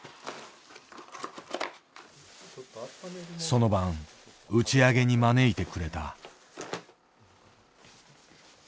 その晩打ち上げに招いてくれた。